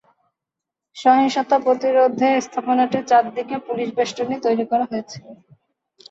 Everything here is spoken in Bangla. সহিংসতা প্রতিরোধে স্থাপনাটির চারদিকে পুলিশি বেষ্টনী তৈরি করা হয়েছিল।